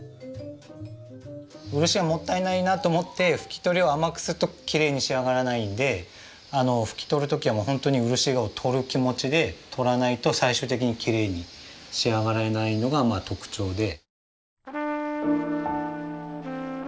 漆がもったいないなと思って拭き取りを甘くするときれいに仕上がらないんで拭き取る時は本当に漆を取る気持ちで取らないと最終的にきれいに仕上がらないのが特徴で。